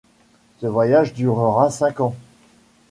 Ce voyage durera cinq ans.